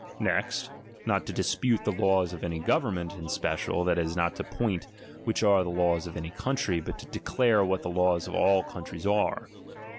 Next, not to dispute the laws of any government in special, that is, not to point which are the laws of any country, but to declare what the laws of all countries are.